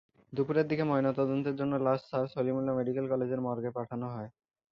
দুপুরের দিকে ময়নাতদন্তের জন্য লাশ স্যার সলিমুল্লাহ মেডিকেল কলেজের মর্গে পাঠানো হয়।